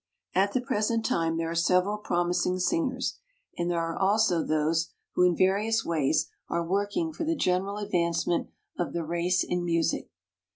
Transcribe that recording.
At the present time there are several promising singers; and there are also those INTRODUCTION 23 who in various ways are working for the general advancement of the race in music.